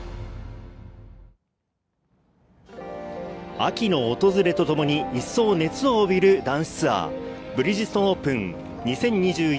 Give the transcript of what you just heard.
秋の訪れとともに、一層熱を帯びる男子ツアー、ブリヂストンオープン２０２１。